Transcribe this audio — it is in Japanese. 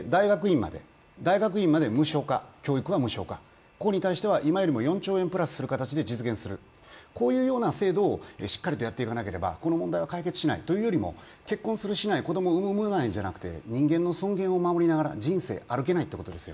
大学院まで教育無償化、ここに対しては今よりも４兆円プラスする形で実現する実現する、こういうような制度をしっかりとやっていかなければこの問題は解決しない、というよりも結婚するしないじゃなくて人間の尊厳を守りながら人生歩けないということですよ。